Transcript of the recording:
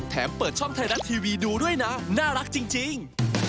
เปิดช่องไทยรัฐทีวีดูด้วยนะน่ารักจริง